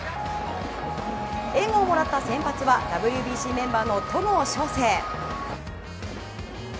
援護をもらった先発はＷＢＣメンバーの戸郷翔征。